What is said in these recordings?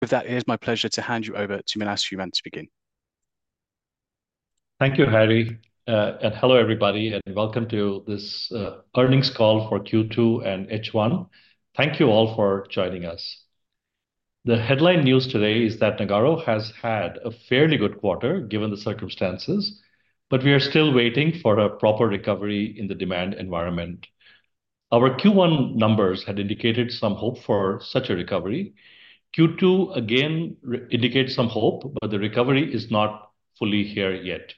With that, it is my pleasure to hand you over to Manas Fuloria to begin. Thank you, Harry. And hello, everybody, and welcome to this Earnings Call for Q2 and H1. Thank you all for joining us. The headline news today is that Nagarro has had a fairly good quarter, given the circumstances, but we are still waiting for a proper recovery in the demand environment. Our Q1 numbers had indicated some hope for such a recovery. Q2 again indicates some hope, but the recovery is not fully here yet.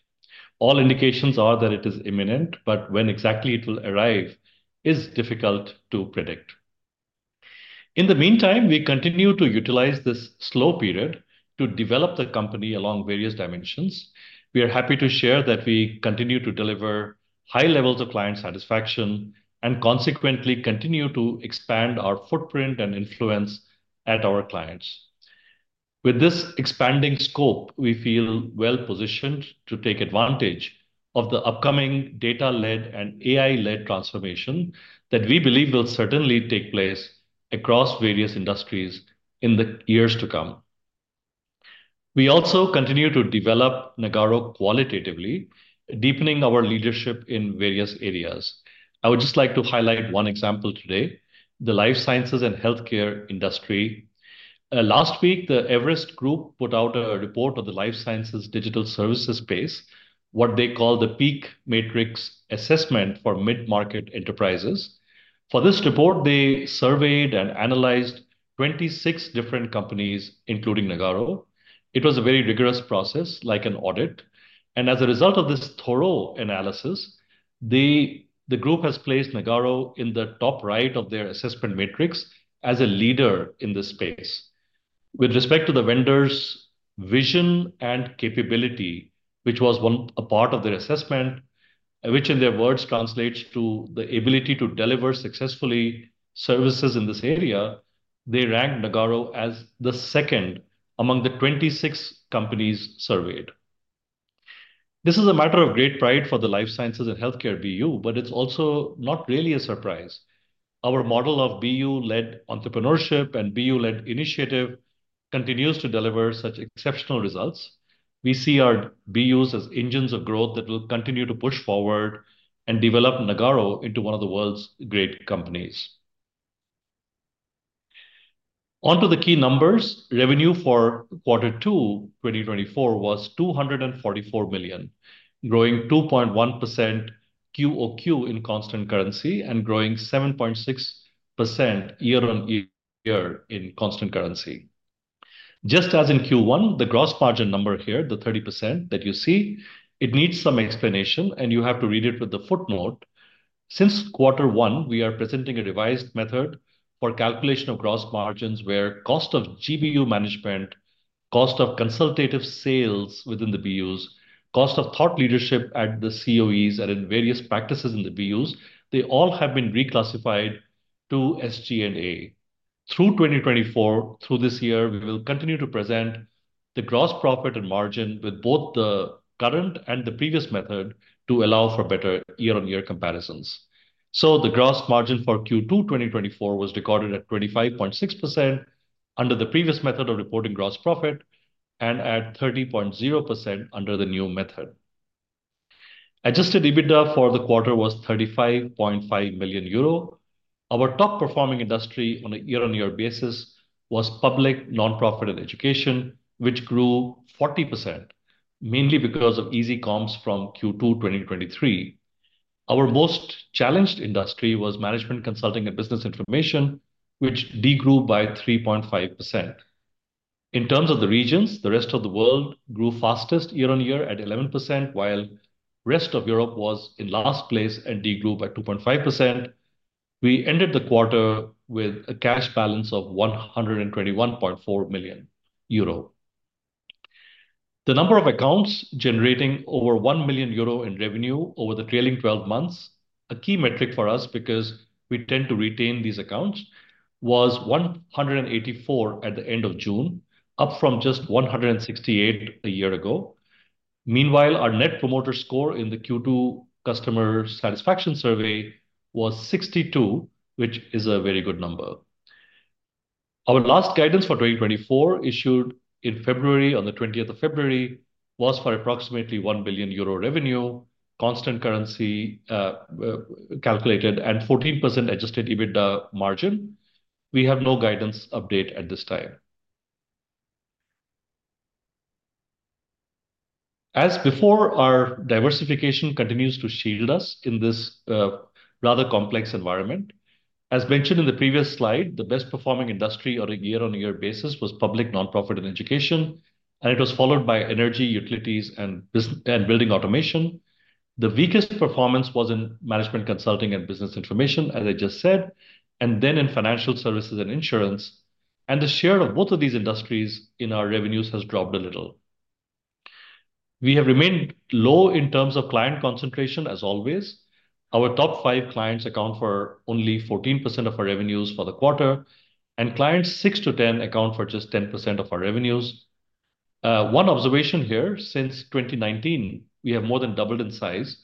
All indications are that it is imminent, but when exactly it will arrive is difficult to predict. In the meantime, we continue to utilize this slow period to develop the company along various dimensions. We are happy to share that we continue to deliver high levels of client satisfaction, and consequently continue to expand our footprint and influence at our clients. With this expanding scope, we feel well positioned to take advantage of the upcoming data-led and AI-led transformation that we believe will certainly take place across various industries in the years to come. We also continue to develop Nagarro qualitatively, deepening our leadership in various areas. I would just like to highlight one example today, the Life Sciences and Healthcare industry. Last week, the Everest Group put out a report on the life sciences digital services space, what they call the PEAK Matrix Assessment for Mid-Market Enterprises. For this report, they surveyed and analyzed 26 different companies, including Nagarro. It was a very rigorous process, like an audit, and as a result of this thorough analysis, the group has placed Nagarro in the top right of their assessment matrix as a leader in this space. With respect to the vendor's vision and capability, which was one, a part of their assessment, which in their words translates to the ability to deliver successfully services in this area, they ranked Nagarro as the second among the 26 companies surveyed. This is a matter of great pride for the Life Sciences and Healthcare BU, but it's also not really a surprise. Our model of BU-led entrepreneurship and BU-led initiative continues to deliver such exceptional results. We see our BUs as engines of growth that will continue to push forward and develop Nagarro into one of the world's great companies. On to the key numbers. Revenue for quarter 2, 2024 was 244 million, growing 2.1% QOQ in constant currency and growing 7.6% year-on-year in constant currency. Just as in Q1, the gross margin number here, the 30% that you see, it needs some explanation, and you have to read it with the footnote. Since quarter one, we are presenting a revised method for calculation of gross margins, where cost of GBU management, cost of consultative sales within the BUs, cost of thought leadership at the COEs and in various practices in the BUs, they all have been reclassified to SG&A. Through 2024, through this year, we will continue to present the gross profit and margin with both the current and the previous method to allow for better year-on-year comparisons. So the gross margin for Q2 2024 was recorded at 25.6% under the previous method of reporting gross profit and at 30.0% under the new method. Adjusted EBITDA for the quarter was 35.5 million euro. Our top-performing industry on a year-on-year basis was Public, Nonprofit, and Education, which grew 40%, mainly because of easy comps from Q2 2023. Our most challenged industry was Management Consulting and Business Information, which degrew by 3.5%. In terms of the regions, Rest of the World grew fastest year-on-year at 11%, while Rest of Europe was in last place and degrew by 2.5%. We ended the quarter with a cash balance of 121.4 million euro. The number of accounts generating over 1 million euro in revenue over the trailing 12 months, a key metric for us because we tend to retain these accounts, was 184 at the end of June, up from just 168 a year ago. Meanwhile, our Net Promoter Score in the Q2 customer satisfaction survey was 62, which is a very good number. Our last guidance for 2024, issued in February, on the twentieth of February, was for approximately 1 billion euro revenue, constant currency, calculated, and 14% adjusted EBITDA margin. We have no guidance update at this time. As before, our diversification continues to shield us in this, rather complex environment. As mentioned in the previous slide, the best-performing industry on a year-on-year basis was Public, Nonprofit, and Education, and it was followed by Energy, Utilities, and Building Automation. The weakest performance was in Management Consulting and Business Information, as I just said, and then in Financial Services and Insurance, and the share of both of these industries in our revenues has dropped a little. We have remained low in terms of client concentration as always. Our top five clients account for only 14% of our revenues for the quarter, and clients six to ten account for just 10% of our revenues. One observation here, since 2019, we have more than doubled in size,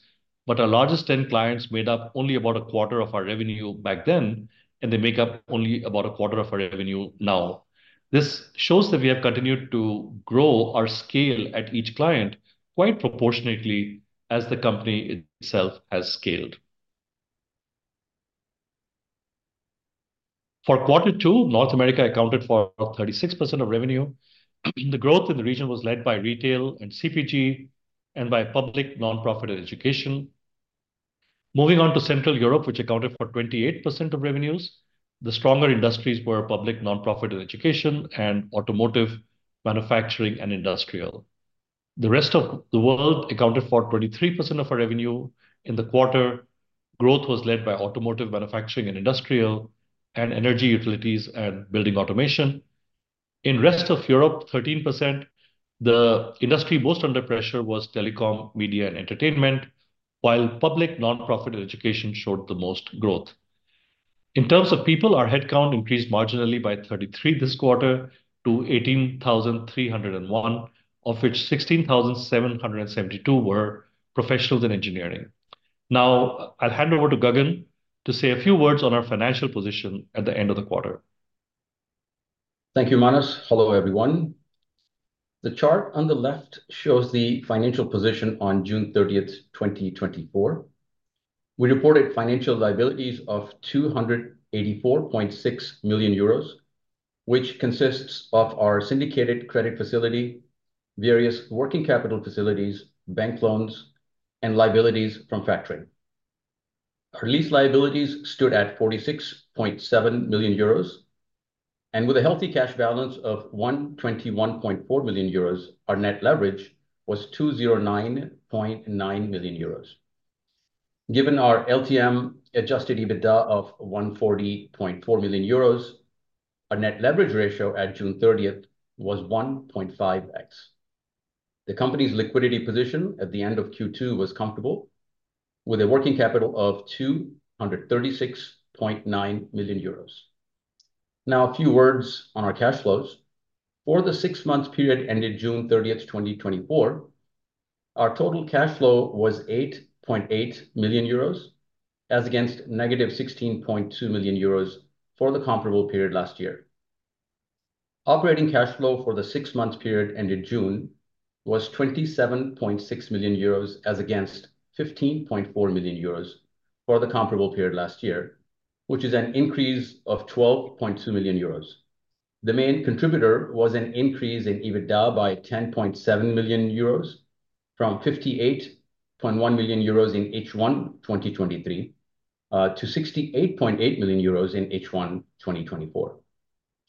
but our largest 10 clients made up only about a quarter of our revenue back then, and they make up only about a quarter of our revenue now. This shows that we have continued to grow our scale at each client quite proportionately as the company itself has scaled. For quarter two, North America accounted for 36% of revenue. The growth in the region was led by Retail and CPG and by Public, Nonprofit, and Education. Moving on to Central Europe, which accounted for 28% of revenues, the stronger industries were Public, Nonprofit, and Education, and Automotive, Manufacturing, and Industrial. The Rest of the World accounted for 23% of our revenue. In the quarter, growth was led by Automotive, Manufacturing, and Industrial, and Energy, Utilities, and Building Automation. In Rest of Europe, 13%, the industry most under pressure was Telecom, Media, and Entertainment, while Public, Nonprofit, and Education showed the most growth. In terms of people, our headcount increased marginally by 33 this quarter to 18,301, of which 16,772 were professionals in engineering. Now, I'll hand over to Gagan to say a few words on our financial position at the end of the quarter. Thank you, Manas. Hello, everyone. The chart on the left shows the financial position on June 30, 2024. We reported financial liabilities of 284.6 million euros, which consists of our syndicated credit facility, various working capital facilities, bank loans, and liabilities from factoring. Our lease liabilities stood at 46.7 million euros, and with a healthy cash balance of 121.4 million euros, our net leverage was 209.9 million euros. Given our LTM Adjusted EBITDA of 140.4 million euros, our net leverage ratio at June 30 was 1.5x. The company's liquidity position at the end of Q2 was comfortable, with a working capital of 236.9 million euros. Now, a few words on our cash flows. For the six-month period ended June 30, 2024, our total cash flow was 8.8 million euros, as against negative 16.2 million euros for the comparable period last year. Operating cash flow for the six-month period ended June was 27.6 million euros, as against 15.4 million euros for the comparable period last year, which is an increase of 12.2 million euros. The main contributor was an increase in EBITDA by 10.7 million euros, from 58.1 million euros in H1 2023, to 68.8 million euros in H1 2024.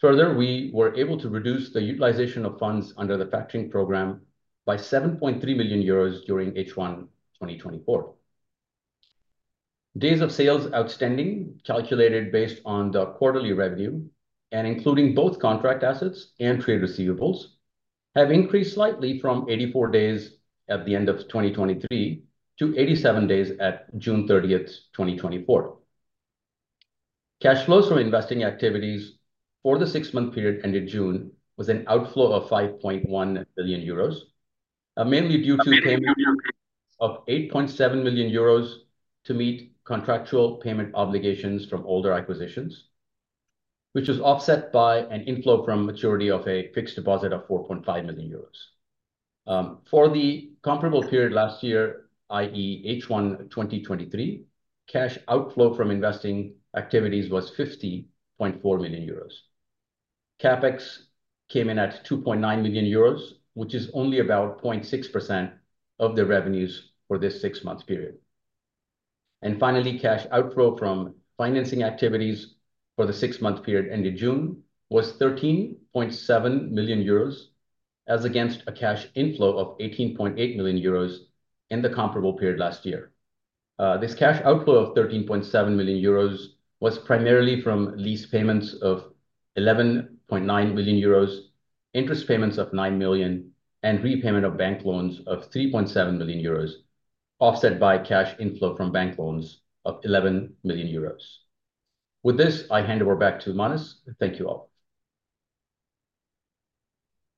Further, we were able to reduce the utilization of funds under the factoring program by 7.3 million euros during H1 2024. Days of Sales Outstanding, calculated based on the quarterly revenue and including both contract assets and trade receivables, have increased slightly from 84 days at the end of 2023 to 87 days at June 30, 2024. Cash flows from investing activities for the six-month period ended June was an outflow of 5.1 million euros, mainly due to payment of 8.7 million euros to meet contractual payment obligations from older acquisitions, which was offset by an inflow from maturity of a fixed deposit of 4.5 million euros. For the comparable period last year, i.e., H1 2023, cash outflow from investing activities was 50.4 million euros. CapEx came in at 2.9 million euros, which is only about 0.6% of the revenues for this six-month period. Finally, cash outflow from financing activities for the six-month period ended June was 13.7 million euros, as against a cash inflow of 18.8 million euros in the comparable period last year. This cash outflow of 13.7 million euros was primarily from lease payments of 11.9 million euros, interest payments of 9 million, and repayment of bank loans of 3.7 million euros, offset by cash inflow from bank loans of 11 million euros. With this, I hand over back to Manas. Thank you, all.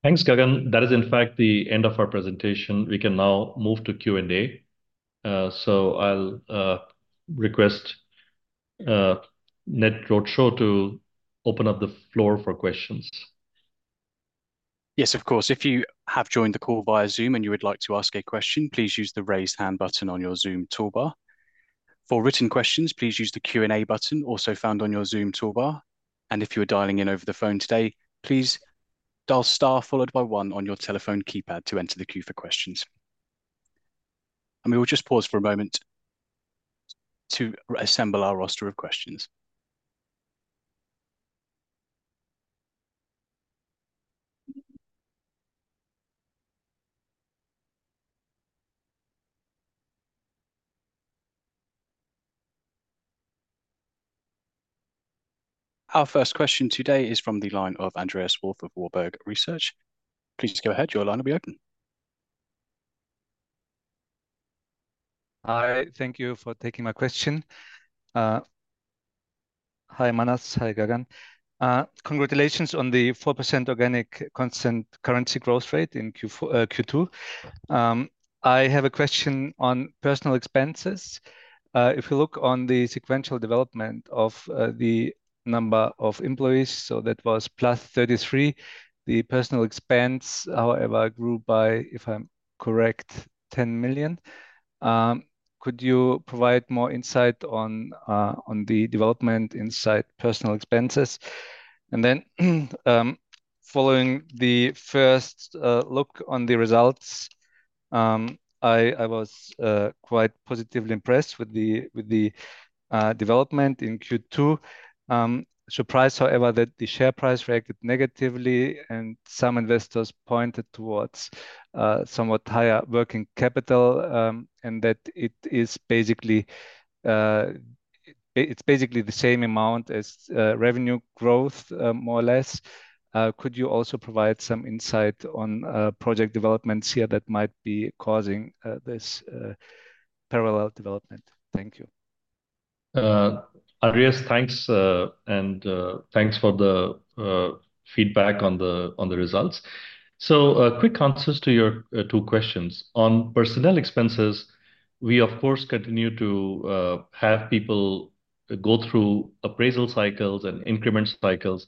Thanks, Gagan. That is, in fact, the end of our presentation. We can now move to Q&A. So I'll request NetRoadshow to open up the floor for questions. Yes, of course. If you have joined the call via Zoom and you would like to ask a question, please use the Raise Hand button on your Zoom toolbar. For written questions, please use the Q&A button, also found on your Zoom toolbar. And if you are dialing in over the phone today, please dial star followed by one on your telephone keypad to enter the queue for questions. And we will just pause for a moment to assemble our roster of questions. Our first question today is from the line of Andreas Wolf of Warburg Research. Please go ahead, your line will be open.... Hi, thank you for taking my question. Hi, Manas. Hi, Gagan. Congratulations on the 4% organic constant currency growth rate in Q4, Q2. I have a question on personnel expenses. If you look on the sequential development of the number of employees, so that was +33. The personnel expense, however, grew by, if I'm correct, 10 million. Could you provide more insight on the development inside personnel expenses? And then, following the first look on the results, I was quite positively impressed with the development in Q2. Surprised, however, that the share price reacted negatively, and some investors pointed towards somewhat higher working capital, and that it is basically the same amount as revenue growth, more or less. Could you also provide some insight on project developments here that might be causing this parallel development? Thank you. Andreas, thanks, and thanks for the feedback on the results. Quick answers to your two questions. On personnel expenses, we of course continue to have people go through appraisal cycles and increment cycles,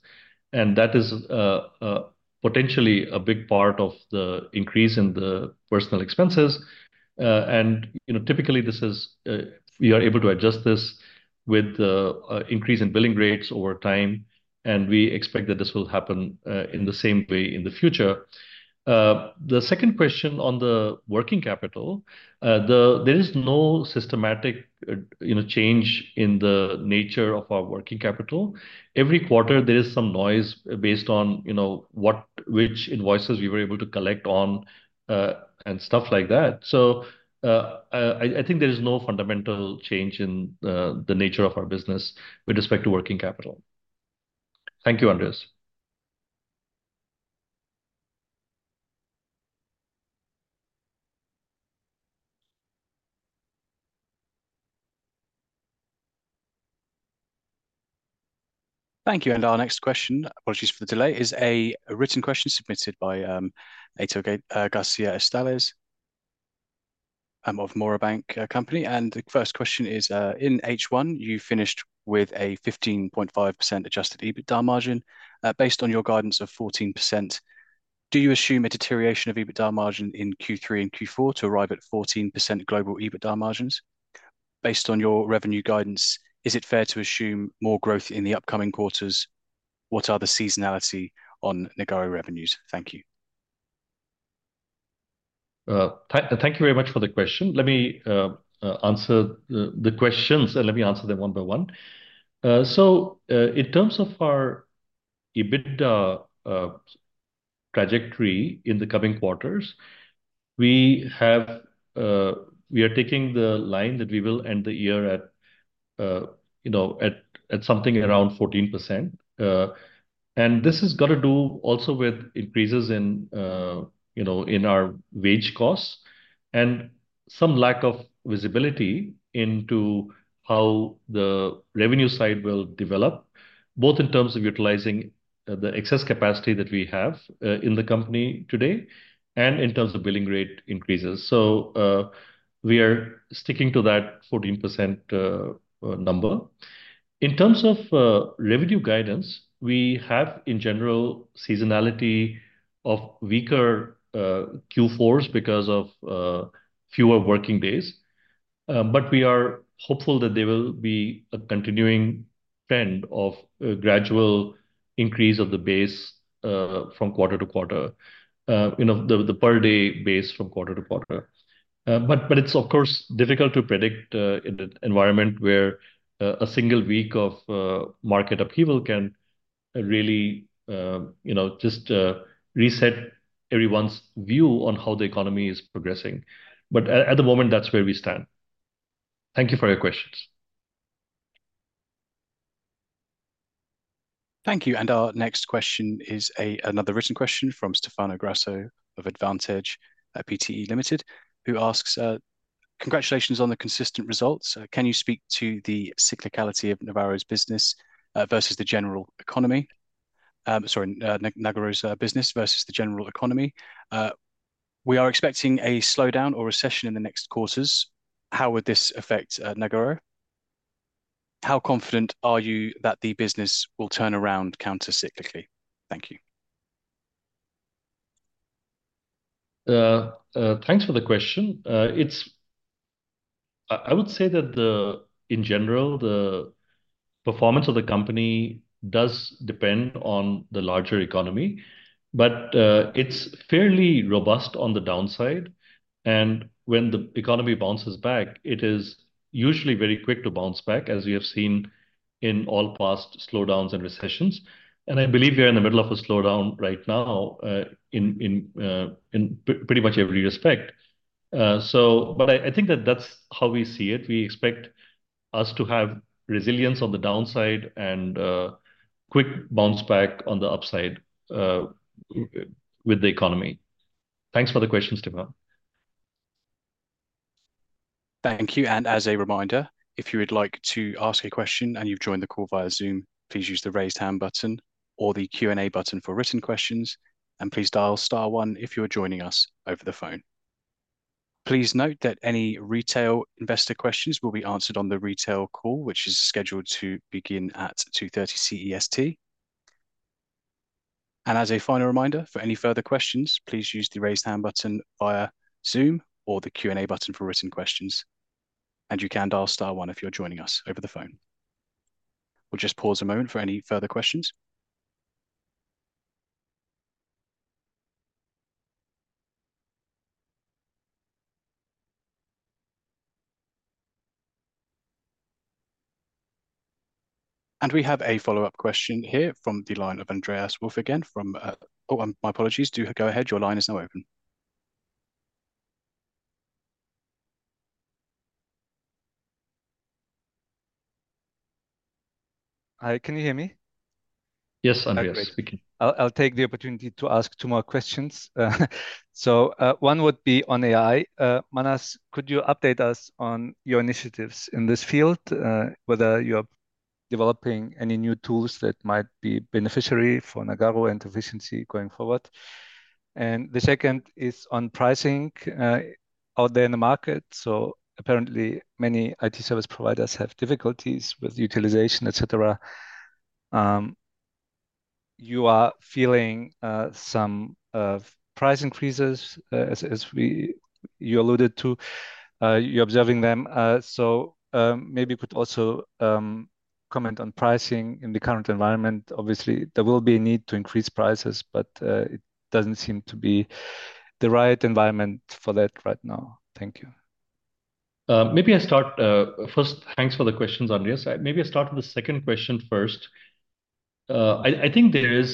and that is potentially a big part of the increase in the personnel expenses. You know, typically, we are able to adjust this with the increase in billing rates over time, and we expect that this will happen in the same way in the future. The second question on the working capital, there is no systematic, you know, change in the nature of our working capital. Every quarter, there is some noise based on, you know, which invoices we were able to collect on, and stuff like that. I think there is no fundamental change in the nature of our business with respect to working capital. Thank you, Andreas. Thank you, and our next question, apologies for the delay, is a written question submitted by A. García Estalés of MoraBanc. And the first question is: "In H1, you finished with a 15.5% adjusted EBITDA margin. Based on your guidance of 14%, do you assume a deterioration of EBITDA margin in Q3 and Q4 to arrive at 14% global EBITDA margins? Based on your revenue guidance, is it fair to assume more growth in the upcoming quarters? What are the seasonality on Nagarro revenues?" Thank you. Thank you very much for the question. Let me answer the questions, and let me answer them one by one. So, in terms of our EBITDA trajectory in the coming quarters, we are taking the line that we will end the year at, you know, at something around 14%. And this has got to do also with increases in, you know, in our wage costs and some lack of visibility into how the revenue side will develop, both in terms of utilizing the excess capacity that we have in the company today and in terms of billing rate increases. So, we are sticking to that 14% number. In terms of revenue guidance, we have, in general, seasonality of weaker Q4s because of fewer working days. But we are hopeful that there will be a continuing trend of a gradual increase of the base from quarter to quarter, you know, the per day base from quarter to quarter. But it's of course difficult to predict in an environment where a single week of market upheaval can really, you know, just reset everyone's view on how the economy is progressing. But at the moment, that's where we stand. Thank you for your questions. Thank you, and our next question is another written question from Stefano Grasso of Vantage Pte. Ltd., who asks: "Congratulations on the consistent results. Can you speak to the cyclicality of Nagarro's business versus the general economy? Sorry, Nagarro's business versus the general economy. We are expecting a slowdown or recession in the next quarters. How would this affect Nagarro? How confident are you that the business will turn around countercyclically? Thank you. Thanks for the question. It's. I would say that, in general, the performance of the company does depend on the larger economy, but it's fairly robust on the downside. And when the economy bounces back, it is usually very quick to bounce back, as we have seen in all past slowdowns and recessions. And I believe we are in the middle of a slowdown right now, in pretty much every respect. So but I think that's how we see it. We expect us to have resilience on the downside and quick bounce back on the upside with the economy. Thanks for the question, Steven. Thank you. As a reminder, if you would like to ask a question and you've joined the call via Zoom, please use the Raise Hand button or the Q&A button for written questions, and please dial star one if you're joining us over the phone. Please note that any retail investor questions will be answered on the retail call, which is scheduled to begin at 2:30 P.M. CEST. As a final reminder, for any further questions, please use the Raise Hand button via Zoom or the Q&A button for written questions, and you can dial star one if you're joining us over the phone. We'll just pause a moment for any further questions. We have a follow-up question here from the line of Andreas Wolf again from, my apologies. Do go ahead, your line is now open. Hi, can you hear me? Yes, Andreas. Oh, great. We can. I'll take the opportunity to ask two more questions. So, one would be on AI. Manas, could you update us on your initiatives in this field, whether you're developing any new tools that might be beneficial for Nagarro and efficiency going forward? And the second is on pricing out there in the market. So apparently many IT service providers have difficulties with utilization, et cetera. You are feeling some price increases as you alluded to. You're observing them, so maybe you could also comment on pricing in the current environment. Obviously, there will be a need to increase prices, but it doesn't seem to be the right environment for that right now. Thank you. First, thanks for the questions, Andreas. Maybe I start with the second question first. I think there is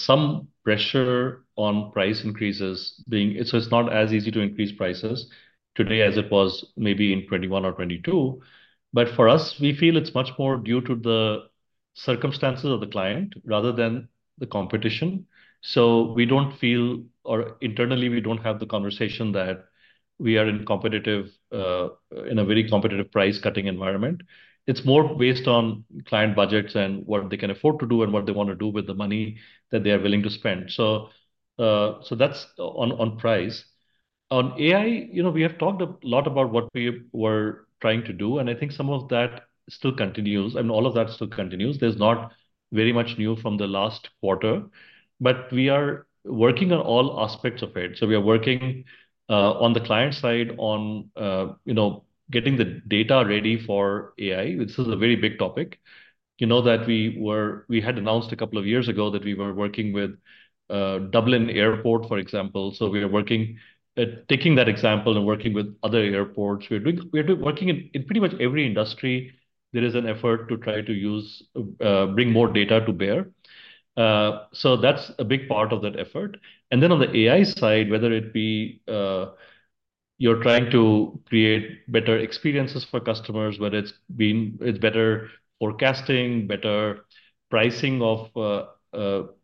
some pressure on price increases, so it's not as easy to increase prices today as it was maybe in 2021 or 2022. But for us, we feel it's much more due to the circumstances of the client rather than the competition. So we don't feel, or internally, we don't have the conversation that we are in a very competitive price cutting environment. It's more based on client budgets and what they can afford to do and what they want to do with the money that they are willing to spend. So that's on price. On AI, you know, we have talked a lot about what we were trying to do, and I think some of that still continues, and all of that still continues. There's not very much new from the last quarter, but we are working on all aspects of it. So we are working on the client side on, you know, getting the data ready for AI, which is a very big topic. You know, we had announced a couple of years ago that we were working with Dublin Airport, for example. So we are working at taking that example and working with other airports. We're working in pretty much every industry, there is an effort to try to bring more data to bear. So that's a big part of that effort. And then on the AI side, whether it be you're trying to create better experiences for customers, whether it's been it's better forecasting, better pricing of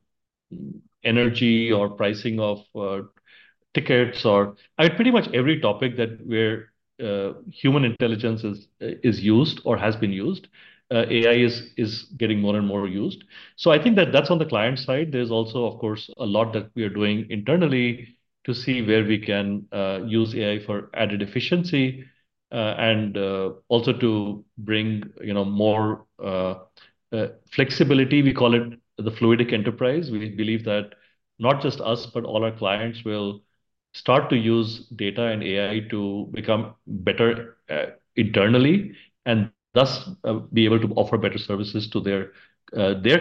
energy, or pricing of tickets, or pretty much every topic that where human intelligence is used or has been used, AI is getting more and more used. So I think that that's on the client side. There's also, of course, a lot that we are doing internally to see where we can use AI for added efficiency and also to bring, you know, more flexibility. We call it the Fluidic Enterprise. We believe that not just us, but all our clients will start to use data and AI to become better internally, and thus be able to offer better services to their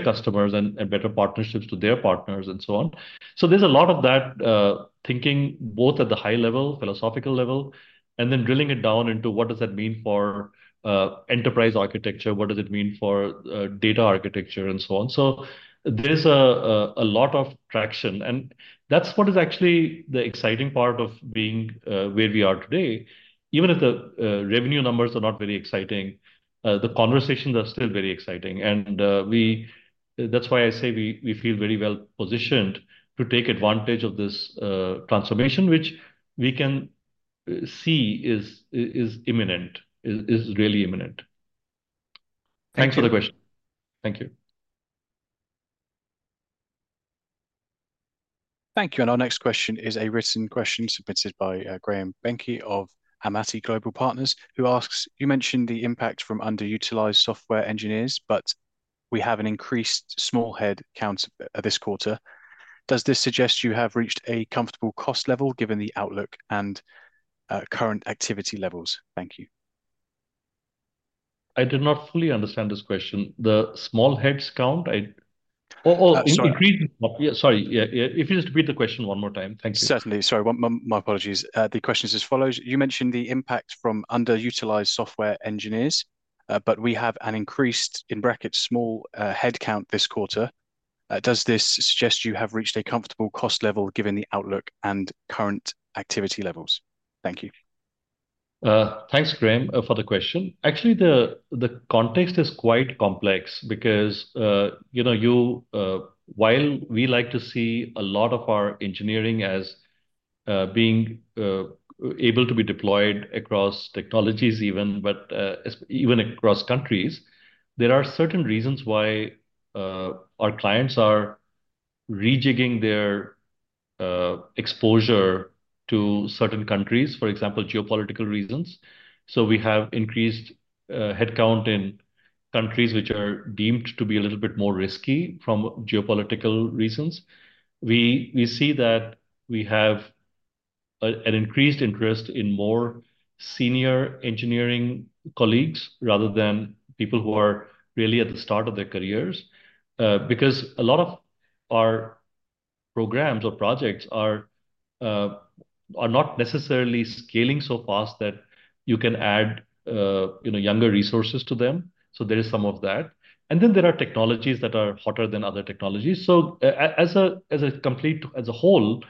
customers and better partnerships to their partners and so on. So there's a lot of that thinking, both at the high level, philosophical level, and then drilling it down into what does that mean for enterprise architecture? What does it mean for data architecture, and so on? So there's a lot of traction, and that's what is actually the exciting part of being where we are today. Even if the revenue numbers are not very exciting, the conversations are still very exciting. That's why I say we feel very well-positioned to take advantage of this transformation, which we can see is imminent, is really imminent. Thank you. Thanks for the question. Thank you. Thank you. Our next question is a written question submitted by Graham Bencke of Amati Global Investors, who asks: "You mentioned the impact from underutilized software engineers, but we have an increased small head count this quarter. Does this suggest you have reached a comfortable cost level given the outlook and current activity levels? Thank you. I did not fully understand this question. The small heads count? I... Oh, oh- Sorry. Increased. Yeah, sorry. Yeah, yeah, if you just repeat the question one more time. Thank you. Certainly. Sorry. My apologies. The question is as follows: You mentioned the impact from underutilized software engineers, but we have an increased, in brackets, small, headcount this quarter. Does this suggest you have reached a comfortable cost level, given the outlook and current activity levels? Thank you. Thanks, Graham, for the question. Actually, the context is quite complex because, you know, while we like to see a lot of our engineering as being able to be deployed across technologies even, but even across countries, there are certain reasons why our clients are rejigging their exposure to certain countries, for example, geopolitical reasons. So we have increased headcount in countries which are deemed to be a little bit more risky from geopolitical reasons. We see that we have an increased interest in more senior engineering colleagues, rather than people who are really at the start of their careers. Because a lot of our programs or projects are not necessarily scaling so fast that you can add, you know, younger resources to them. So there is some of that. Then there are technologies that are hotter than other technologies. So as a whole,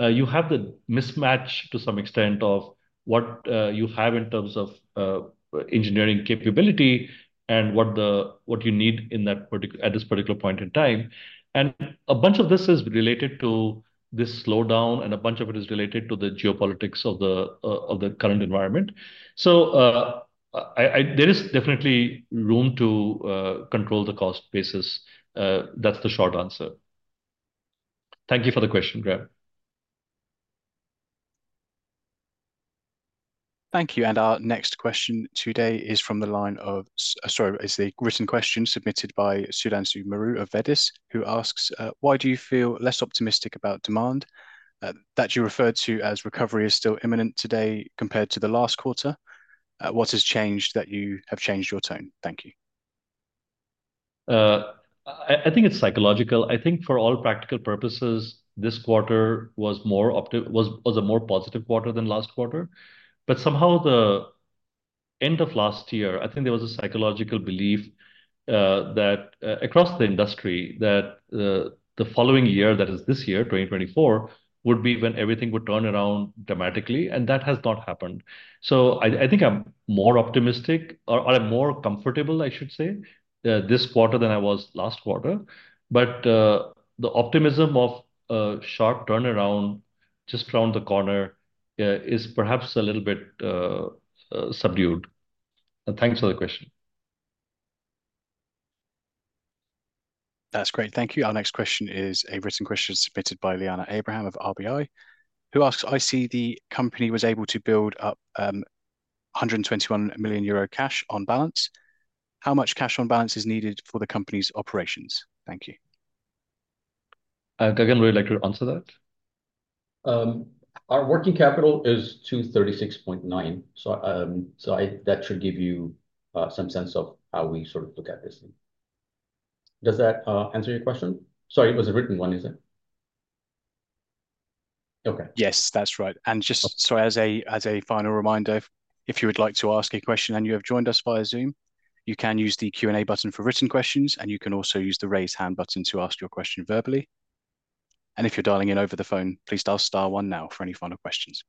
you have the mismatch to some extent of what you have in terms of engineering capability and what you need at this particular point in time. And a bunch of this is related to this slowdown, and a bunch of it is related to the geopolitics of the current environment. So there is definitely room to control the cost basis. That's the short answer. Thank you for the question, Graham. Thank you. And our next question today is from the line of - sorry, it's a written question submitted by Sudhanshu Maru of Vadis, who asks, "Why do you feel less optimistic about demand that you referred to as recovery is still imminent today compared to the last quarter? What has changed that you have changed your tone? Thank you. I think it's psychological. I think for all practical purposes, this quarter was – was a more positive quarter than last quarter. But somehow the end of last year, I think there was a psychological belief that across the industry, the following year, that is this year, 2024, would be when everything would turn around dramatically, and that has not happened. So I think I'm more optimistic, or I'm more comfortable, I should say, this quarter than I was last quarter. But the optimism of a sharp turnaround just around the corner is perhaps a little bit subdued. And thanks for the question. That's great. Thank you. Our next question is a written question submitted by Liana Abraham of RBI, who asks, "I see the company was able to build up 121 million euro cash on balance. How much cash on balance is needed for the company's operations? Thank you. Gagan, would you like to answer that? Our working capital is 236.9. So, that should give you some sense of how we sort of look at this. Does that answer your question? Sorry, it was a written one, is it? Okay. Yes, that's right. Okay. As a final reminder, if you would like to ask a question and you have joined us via Zoom, you can use the Q&A button for written questions, and you can also use the raise hand button to ask your question verbally. If you're dialing in over the phone, please dial star one now for any final questions.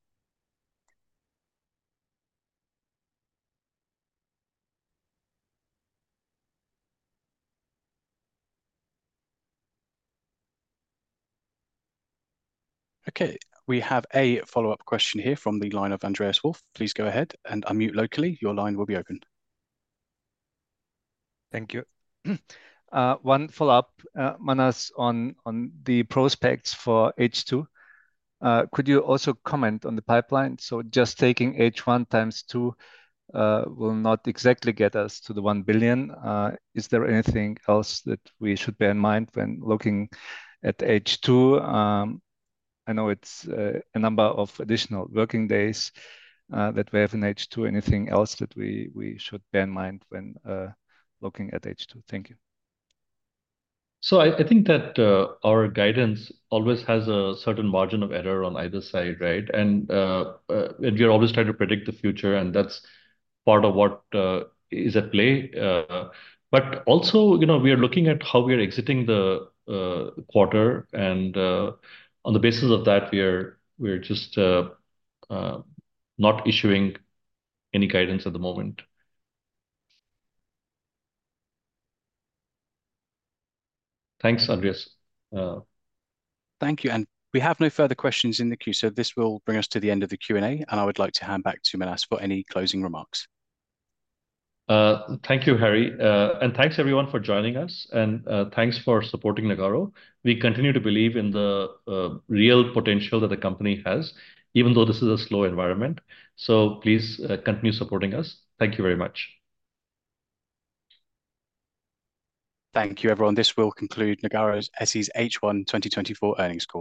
Okay, we have a follow-up question here from the line of Andreas Wolf. Please go ahead and unmute locally. Your line will be opened. Thank you. One follow-up, Manas, on the prospects for H2. Could you also comment on the pipeline? So just taking H1 times two will not exactly get us to the 1 billion. Is there anything else that we should bear in mind when looking at H2? I know it's a number of additional working days that we have in H2. Anything else that we should bear in mind when looking at H2? Thank you. So I think that our guidance always has a certain margin of error on either side, right? And, and we are always trying to predict the future, and that's part of what is at play. But also, you know, we are looking at how we are exiting the quarter, and on the basis of that, we're just not issuing any guidance at the moment. Thanks, Andreas. Thank you, and we have no further questions in the queue, so this will bring us to the end of the Q&A, and I would like to hand back to Manas for any closing remarks. Thank you, Harry. And thanks, everyone, for joining us, and thanks for supporting Nagarro. We continue to believe in the real potential that the company has, even though this is a slow environment. So please, continue supporting us. Thank you very much. Thank you, everyone. This will conclude Nagarro SE's H1 2024 Earnings Call.